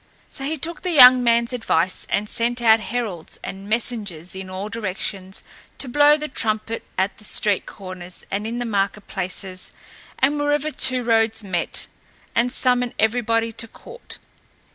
So he took the young man's advice and sent out heralds and messengers in all directions to blow the trumpet at the street corners and in the market places and wherever two roads met, and summon everybody to court.